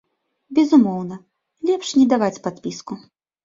Безумоўна, лепш не даваць падпіску.